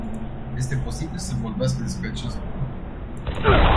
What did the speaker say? Este posibil să se vorbească despre acest lucru?